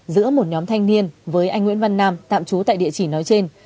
giữa một nhóm thanh niên với anh nguyễn văn nam tạm trú tại địa chỉ nói trên